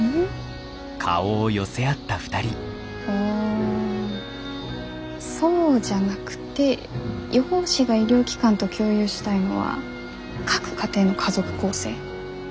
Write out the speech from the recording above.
あそうじゃなくて予報士が医療機関と共有したいのは各家庭の家族構成。